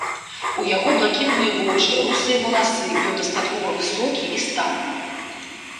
У яго блакітныя вочы, русыя валасы, ён дастаткова высокі і статны.